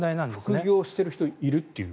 副業している人いるっていう。